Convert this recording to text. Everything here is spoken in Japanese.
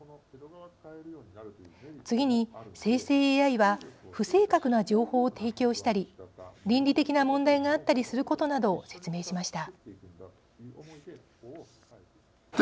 次に、生成ＡＩは不正確な情報を提供したり倫理的な問題があったりすることなどを説明しました。